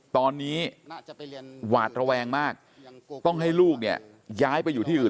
ตอนนี้หวาดระแวงมากต้องให้ลูกเนี่ยย้ายไปอยู่ที่อื่น